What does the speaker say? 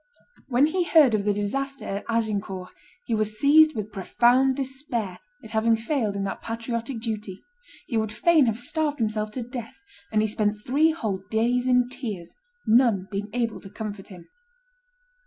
[Illustration: Already distressed 57] When he heard of the disaster at Agincourt he was seized with profound despair at having failed in that patriotic duty; he would fain have starved himself to death, and he spent three whole days in tears, none being able to comfort him.